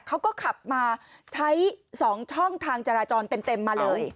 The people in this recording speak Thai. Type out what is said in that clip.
เขาก็ขับมาใช้๒ช่องทางจราจรเต็มมาเลย